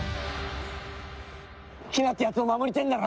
ひなってやつを守りてえんだな。